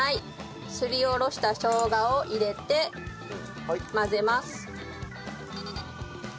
すりおろした生姜を入れて混ぜます。